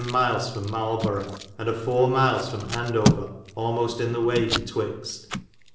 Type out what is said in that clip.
miles from Marleborow, and a 4. miles from Andover almoste in the waye betwixt.